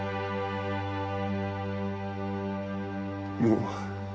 もう。